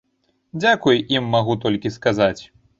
Дзякуй ім магу толькі сказаць.